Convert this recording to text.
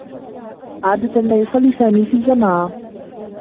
عادة ما يصلّي سامي في الجماعة.